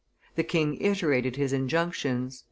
The king iterated his injunctions.